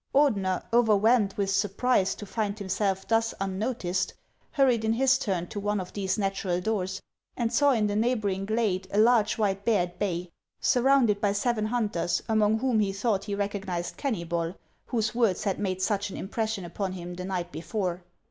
Ordener, overwhelmed with surprise to find himself thus unno ticed, hurried in his turn to one of these natural doors, and saw in a neighboring glade a large white bear at bay, surrounded by seven hunters, among whom he thought he recognized Keunybol, whose words had made such an impression upon him the night before.